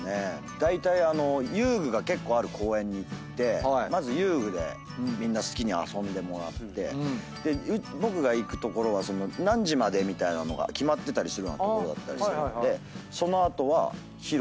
だいたい遊具が結構ある公園に行ってまず遊具でみんな好きに遊んでもらって僕が行く所は何時までみたいなのが決まってるような所だったりするのでその後は。